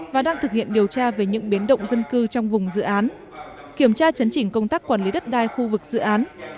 và đang thực hiện điều tra về những biến động dân cư trong vùng dự án kiểm tra chấn chỉnh công tác quản lý đất đai khu vực dự án